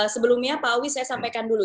sebelumnya pak awi saya sampaikan dulu